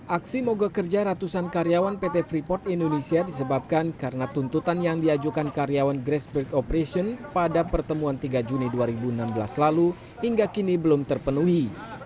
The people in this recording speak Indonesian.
aksi mogok kerja ratusan karyawan pt freeport indonesia disebabkan karena tuntutan yang diajukan karyawan grassberg operation pada pertemuan tiga juni dua ribu enam belas lalu hingga kini belum terpenuhi